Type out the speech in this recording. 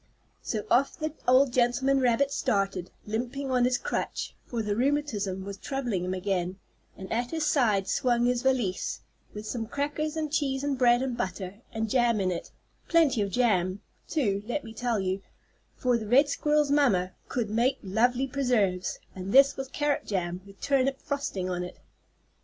So off the old gentleman rabbit started, limping on his crutch, for his rheumatism was troubling him again, and at his side swung his valise, with some crackers and cheese and bread and butter and jam in it plenty of jam, too, let me tell you, for the red squirrel's mamma could make lovely preserves, and this was carrot jam, with turnip frosting on it.